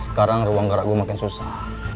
sekarang ruang gerak gue makin susah